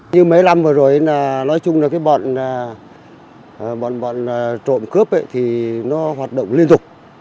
như mấy năm vừa rồi là nói chung là cái bọn trộm cướp thì nó hoạt động liên tục